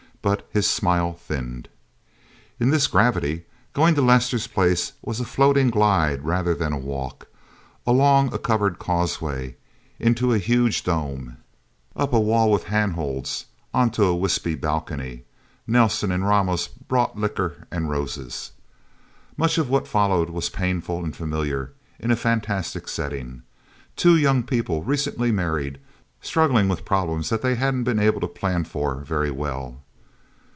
But his smile thinned. In this gravity, going to Lester's place was a floating glide rather than a walk. Along a covered causeway, into a huge dome, up a wall with handholds, onto a wispy balcony. Nelsen and Ramos brought liquor and roses. Much of what followed was painful and familiar in a fantastic setting. Two young people, recently married, struggling with problems that they hadn't been able to plan for very well.